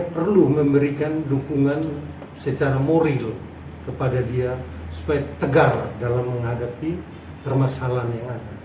terima kasih bapak